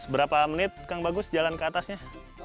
berapa menit kang bagus jalan ke atasnya